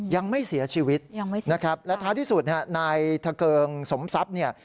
ยังไม่เสียชีวิตนะครับและท้ายที่สุดฮะนายทะเกิงสมทรัพย์เนี่ย